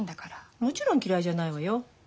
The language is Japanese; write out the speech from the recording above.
もちろん嫌いじゃないわよ。